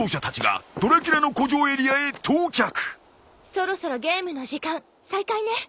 そろそろゲームの時間再開ね。